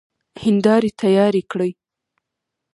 هيندارې تيارې کړئ!